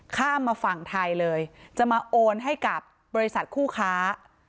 ข้ามมาฝั่งไทยเลยจะมาโอนให้กับบริษัทคู่ค้า